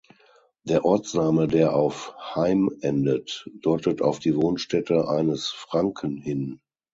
Der Ortsname, der auf -heim endet, deutet auf die Wohnstätte eines Franken hin.